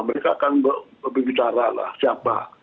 mereka akan berbicara lah siapa